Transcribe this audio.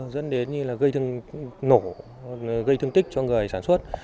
dẫn đến như là gây thương nổ gây thương tích cho người sản xuất